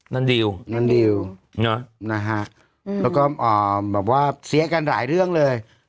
นั่นดิวเหรอนั่นดิวนั่นดิวแล้วก็เสียกันหลายเรื่องเลย